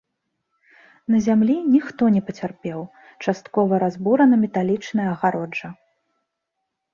На зямлі ніхто не пацярпеў, часткова разбурана металічная агароджа.